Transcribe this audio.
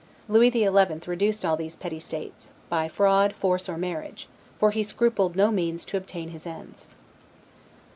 Lewis the Eleventh reduced all these petty states, by fraud, force, or marriage; for he scrupled no means to obtain his ends.